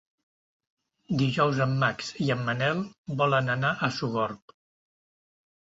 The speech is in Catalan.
Dijous en Max i en Manel volen anar a Sogorb.